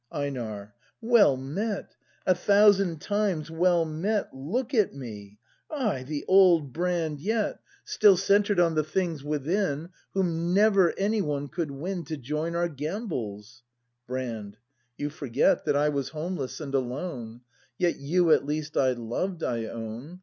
Einar. Well met! a thousand times well met! Look at me! — Ay, the old Brand yet. 36 BRAND [act i Still centred on the things within, Whom never any one could win To join our gambols. Brand. You forget That I was homeless and alone. Yet you at least I loved, I own.